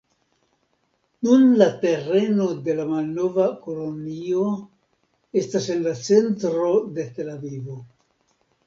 Nun, la tereno de la malnova kolonio estas en la centro de Tel-Avivo.